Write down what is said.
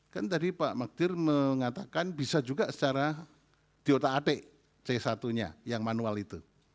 kan tadi pak magdir mengatakan bisa juga secara teota atik c satu nya yang manual itu